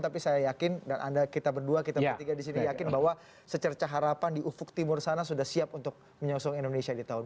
tapi saya yakin dan anda kita berdua kita bertiga disini yakin bahwa secerca harapan di ufuk timur sana sudah siap untuk menyosong indonesia di tahun dua ribu dua puluh